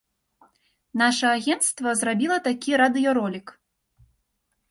Наша агенцтва зрабіла такі радыёролік.